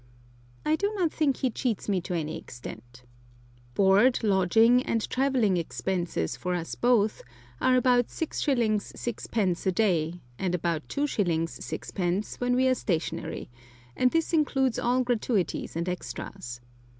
I do not think he cheats me to any extent. Board, lodging, and travelling expenses for us both are about 6s. 6d. a day, and about 2s. 6d. when we are stationary, and this includes all gratuities and extras.